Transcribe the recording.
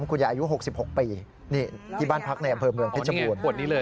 คุณยายอายุ๖๖ปีนี่ที่บ้านพักในอำเภอเมืองเพชรบูรณ์